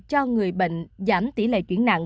cho người bệnh giảm tỷ lệ chuyển nặng